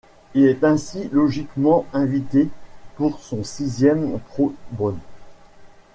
Il est ainsi logiquement invité pour son sixième Pro Bowl.